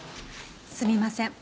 すみません。